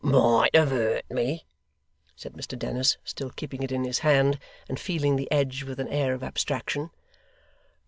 'Might have hurt me!' said Mr Dennis, still keeping it in his hand, and feeling the edge with an air of abstraction.